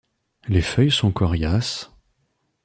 Les feuilles son coriaces.